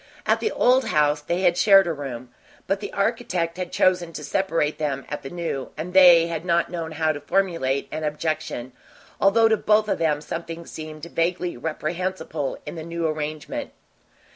At the "old" house they had shared a room, but the architect had chosen to separate them at the New, and they had not known how to formulate an objection, although to both of them something seemed vaguely reprehensible in the new arrangement.